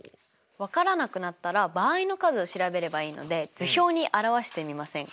分からなくなったら場合の数を調べればいいので図表に表してみませんか？